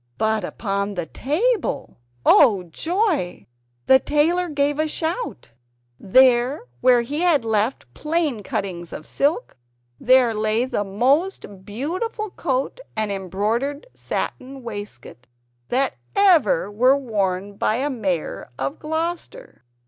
But upon the table oh joy! the tailor gave a shout there, where he had left plain cuttings of silk there lay the most beautiful coat and embroidered satin waistcoat that ever were worn by a Mayor of Gloucester!